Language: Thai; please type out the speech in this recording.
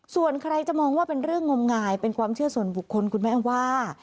ส่วนใครจะมองว่าเป็นเรื่องงมงายเป็นความเชื่อส่วนบุคคลคุณแม่ว่า